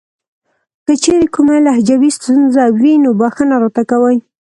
کچېرې کومه لهجوي ستونزه وي نو بښنه راته کوئ .